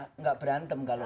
tidak berantem kalau